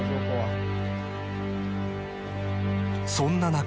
［そんな中］